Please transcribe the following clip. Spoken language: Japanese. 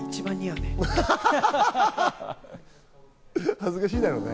恥ずかしいだろうね。